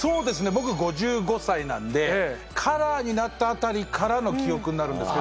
僕５５歳なんでカラーになった辺りからの記憶になるんですけど。